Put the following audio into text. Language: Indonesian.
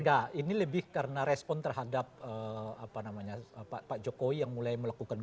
enggak ini lebih karena respon terhadap pak jokowi yang mulai melakukan